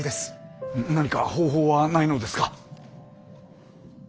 何か方法はないのですか？